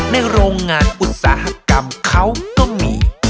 โรงงานอุตสาหกรรมเขาก็มี